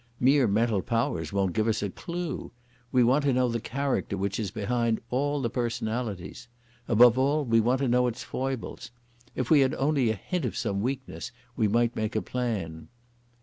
Mere mental powers won't give us a clue. We want to know the character which is behind all the personalities. Above all we want to know its foibles. If we had only a hint of some weakness we might make a plan."